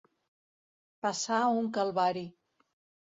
Passar un calvari.